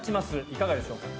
いかがでしょうか？